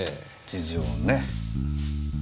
事情ね。